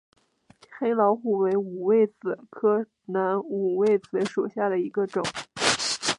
黑老虎为五味子科南五味子属下的一个种。